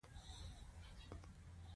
زه په ځان باور لرم.